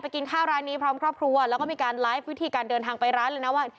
กินข้าวร้านนี้พร้อมครอบครัวแล้วก็มีการไลฟ์วิธีการเดินทางไปร้านเลยนะว่า